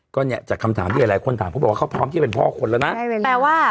ก็เนี่ยจากคำถามที่หลายหลายคนถามเขาบอกว่าเขาพร้อมที่เป็นพ่อคนแล้วนะแปลว่า